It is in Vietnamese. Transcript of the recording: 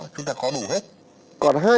chúng ta có đủ hết